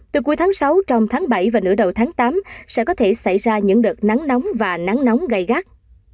từ cuối tháng sáu trong tháng bảy và nửa đầu tháng tám sẽ có thể xảy ra những đợt nắng nóng và nắng nóng gai gắt